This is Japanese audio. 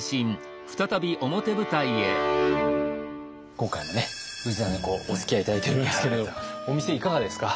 今回もね氏真公おつきあい頂いておりますけれどお店いかがですか？